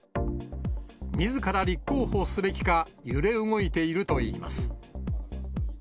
みずから立候補すべきか揺れ動いているといいます。